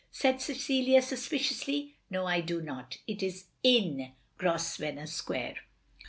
said Cecilia, suspiciously. "No, I do not. It is in Grosvenor Square."